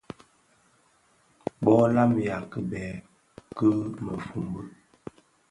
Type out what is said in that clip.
Bo lamiya kibèè ki mëfombi,